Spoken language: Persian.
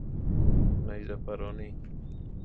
نیزه پرانی